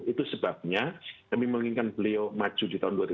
itu sebabnya demi menginginkan beliau maju di tahun dua ribu dua puluh